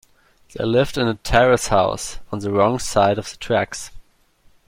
They lived in a terrace house, on the wrong side of the tracks